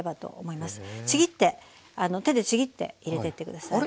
ちぎって手でちぎって入れてってください。